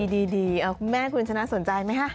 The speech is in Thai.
ดีเพียงแค่มึงชนะสนใจไหมนะ